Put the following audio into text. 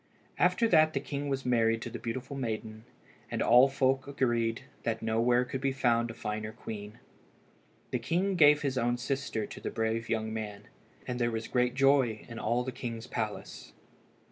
After that the king was married to the beautiful maiden, and all folk agreed that nowhere could be found a finer queen. The king gave his own sister to the brave young man, and there was great joy in all the king's palace.